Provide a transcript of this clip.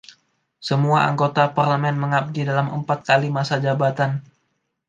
Semua anggota parlemen mengabdi selama empat kali masa jabatan.